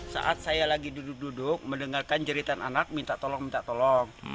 saat saya lagi duduk duduk mendengarkan jeritan anak minta tolong minta tolong